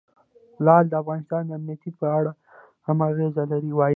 لعل د افغانستان د امنیت په اړه هم اغېز لري.